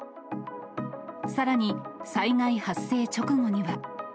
さらに、災害発生直後には。